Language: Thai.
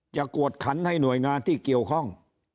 กวดขันให้หน่วยงานที่เกี่ยวข้อง